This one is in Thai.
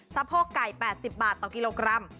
สะโพกไก่๘๐บาทต่อกิโลกรัม